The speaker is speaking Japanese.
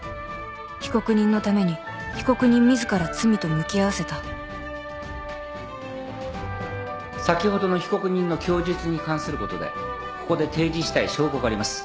被告人のために被告人自ら罪と向き合わせた先ほどの被告人の供述に関することでここで提示したい証拠があります。